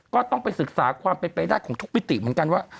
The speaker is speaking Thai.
ก็ต้องไปศึกษาความเป็นไปได้ของทุกมิติเหมือนกันว่า